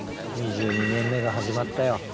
２２年目が始まったよ。